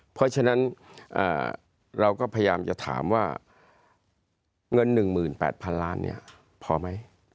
เพราะฉะนั้นเราก็พยายามจะถามว่าเงิน๑๘๐๐๐ล้านพอไหม